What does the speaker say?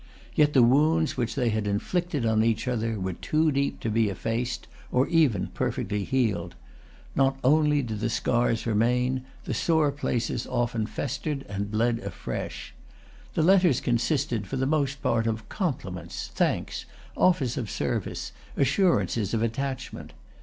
Yet the wounds which they had inflicted on each other were too deep to be effaced, or even perfectly healed. Not only did the scars remain; the sore places often festered and bled afresh. The letters consisted for the most part of compliments, thanks, offers of service, assurances of attachment.